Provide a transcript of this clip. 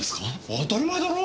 当たり前だろ！